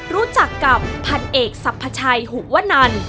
รู้จักกับพันเอกสรรพชัยหุวนัน